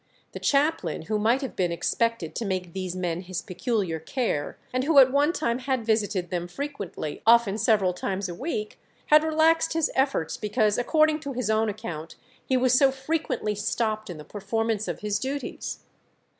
The chaplain, who might have been expected to make these men his peculiar care, and who at one time had visited them frequently, often several times a week, had relaxed his efforts, because, according to his own account, he was so frequently stopped in the performance of his duties.